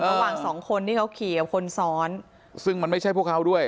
ระหว่างสองคนที่เขาขี่กับคนซ้อนซึ่งมันไม่ใช่พวกเขาด้วย